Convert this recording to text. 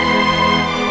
jangan bawa dia